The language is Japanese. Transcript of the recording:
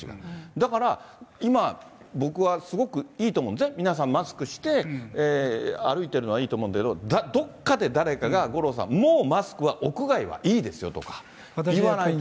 だから、今、僕はすごくいいと思うんですね、皆さんマスクして、歩いてるのはいいと思うんだけど、どこかで誰かが五郎さん、もうマスクは屋外はいいですよとか言わないと。